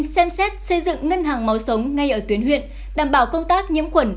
xem xét xây dựng ngân hàng máu sống ngay ở tuyến huyện đảm bảo công tác nhiễm khuẩn